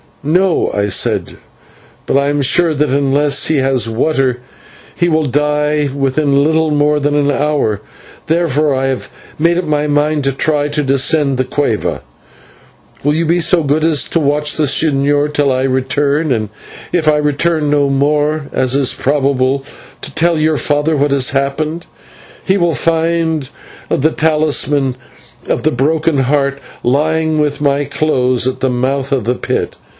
"No," I said, "but I am sure that unless he has water he will die within little more than an hour. Therefore I have made up my mind to try to descend the /cueva/. Will you be so good as to watch the señor till I return, and if I return no more, as is probable, to tell your father what has happened. He will find the talisman of the Broken Heart lying with my clothes at the mouth of the pit.